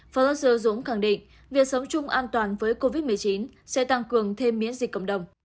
phó giám đốc dũng khẳng định việc sống chung an toàn với covid một mươi chín sẽ tăng cường thêm miễn dịch cộng đồng